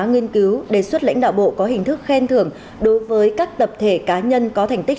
nghiên cứu đề xuất lãnh đạo bộ có hình thức khen thưởng đối với các tập thể cá nhân có thành tích